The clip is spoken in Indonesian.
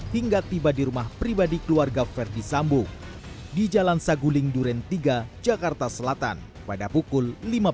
hingga tiba di rumah pribadi keluarga verdi sambo di jalan saguling duren tiga jakarta selatan pada pukul lima belas